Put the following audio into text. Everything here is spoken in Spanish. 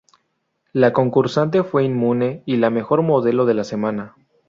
La concursante fue inmune y la mejor modelo de la semana.